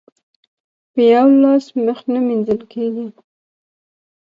په يوه لاس مخ نه مينځل کېږي.